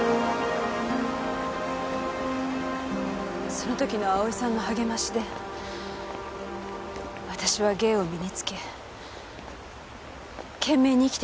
その時の葵さんの励ましで私は芸を身につけ懸命に生きてきました。